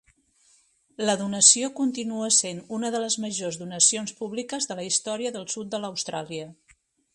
La donació continua sent una de les majors donacions públiques de la història del sud de l'Austràlia.